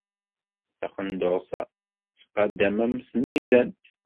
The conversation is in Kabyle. Taqendurt-a tqadd-am am tmizant.